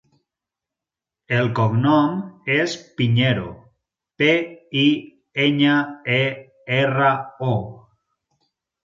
El cognom és Piñero: pe, i, enya, e, erra, o.